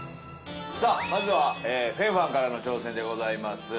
さあまずは豊凡からの挑戦でございます